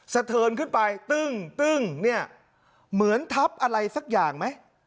เทินขึ้นไปตึ้งตึ้งเนี่ยเหมือนทับอะไรสักอย่างไหม